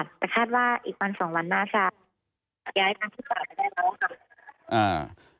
แต่คาดว่าอีกวัน๒วันหน้าค่ะจะย้ายกันที่ต่อไปได้แล้วค่ะ